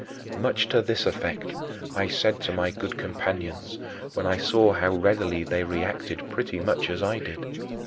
Much to this effect I said to my good companions, and I saw how readily they reacted pretty much as I did.